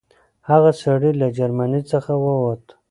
هغه سړی له جرمني څخه ووت.